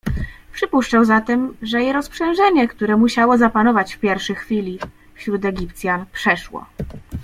Przypuszczał zatem że i rozprzężenie, które musiało zapanować w pierwszy chwili wśród Egipcjan, przeszło.